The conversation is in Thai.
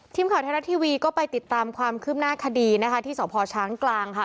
ทีมข่าวไทยรัฐทีวีก็ไปติดตามความคืบหน้าคดีนะคะที่สพช้างกลางค่ะ